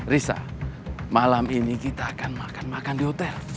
risa malam ini kita akan makan makan di hotel